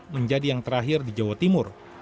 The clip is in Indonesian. menjadi yang terakhir di jawa timur